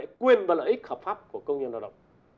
bảo vệ quyền và lợi ích hợp pháp của công nhân lao động